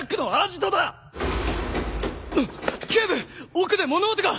奥で物音が！